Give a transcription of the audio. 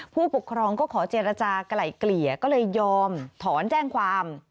ผู้ปกครองก็ขอเจรจากลายเกลี่ยก็เลยยอมถอนแจ้งความ